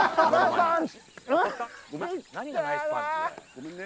ごめんね。